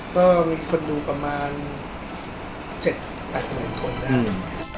ก็มีคนดูประมาณ๗๘หมื่นคนได้